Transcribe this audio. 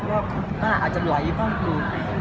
รอบคุณป้าอาจจะหล่อยกว่าคุณ